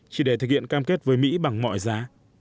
chỉ để thực hiện cam kết với mỹ bằng mọi giá